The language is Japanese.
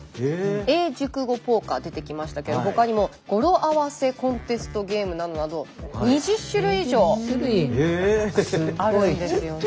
「英熟語ポーカー」出てきましたけど他にも「語呂合わせコンテスト」ゲームなどなど２０種類以上あるんですよね。